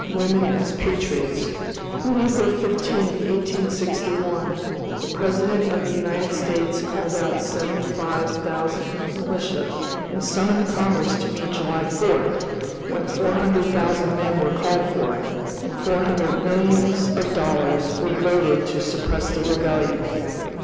WOMEN AS PATRIOTS. On April 15, 1861, the President of the United States called out seventy five thousand militia, and summoned Congress to meet July 4, when four hundred thousand men were called for, and four hundred millions of dollars were voted to suppress the Rebellion.